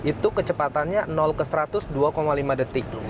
itu kecepatannya seratus dua lima detik